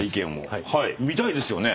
見たいですよね？